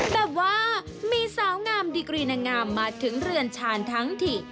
แต่ว่ามีสาวงามดิกรีนางงามมาถึงเรือนชาญทั้งถิ